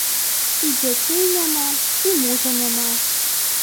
І дзяцей няма, і мужа няма.